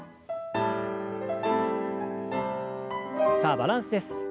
さあバランスです。